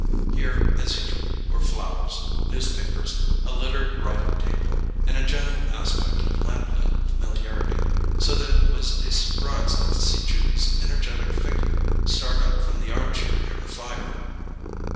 Here, as usual, were flowers, newspapers, a littered writing table, and a general aspect of lamp lit familiarity, so that it was a surprise not to see Judy's energetic figure start up from the arm chair near the fire.